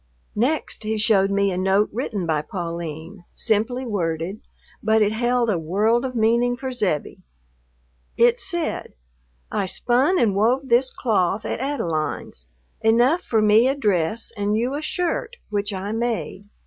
Next he showed me a note written by Pauline, simply worded, but it held a world of meaning for Zebbie. It said, "I spun and wove this cloth at Adeline's, enough for me a dress and you a shirt, which I made.